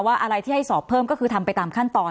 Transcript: อะไรที่ให้สอบเพิ่มก็คือทำไปตามขั้นตอน